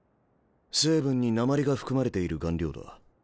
成分に鉛が含まれている顔料だ。